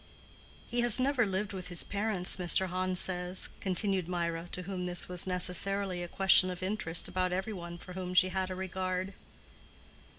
"He has never lived with his parents, Mr. Hans, says," continued Mirah, to whom this was necessarily a question of interest about every one for whom she had a regard.